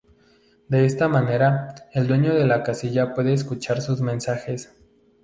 De esta manera, el dueño de la casilla puede escuchar sus mensajes.